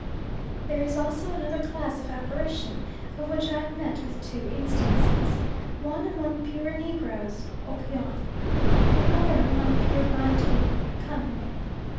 There is also another class of apparition, of which I have met with two instances, one among pure Negroes (Okyon); the other among pure Bantu (Kangwe).